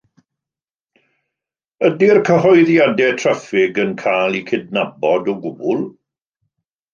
Ydy'r cyhoeddiadau traffig yn cael eu cydnabod o gwbl?